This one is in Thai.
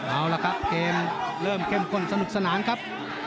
เอาละครับเกมเริ่มเข้มข้นสนุกสนานครับ